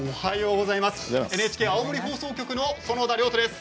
ＮＨＫ青森放送局の園田遼斗です。